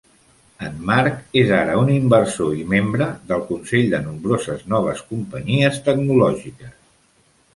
En Mark és ara un inversor i membre del consell de nombroses noves companyies tecnològiques.